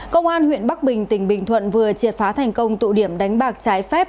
công an huyện bắc bình tỉnh bình thuận vừa triệt phá thành công tụ điểm đánh bạc trái phép